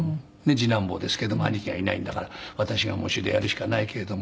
次男坊ですけども兄貴がいないんだから私が喪主でやるしかないけれども。